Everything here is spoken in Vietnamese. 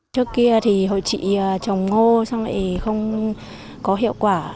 trước kia thì chị trồng ngô xong lại không có hiệu quả